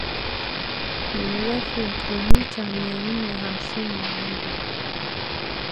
Ni urefu wa kilomita mia nne hamsini na moja